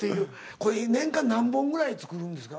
これ年間何本ぐらい作るんですか？